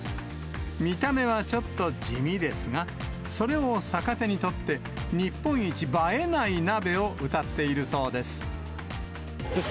見た目はちょっと地味ですが、それを逆手にとって、日本一映えない鍋をうたっているそうです。